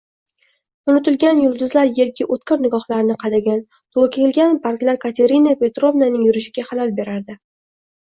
Unutilgan yulduzlar yerga oʻtkir nigohlarini qadagan, toʻkilgan barglar Katerina Petrovnaning yurishiga xalal berardi.